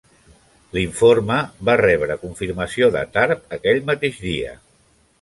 L'informe va rebre confirmació de Tharpe aquell mateix dia.